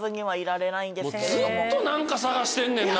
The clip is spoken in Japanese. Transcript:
ずっと何か探してんねんな。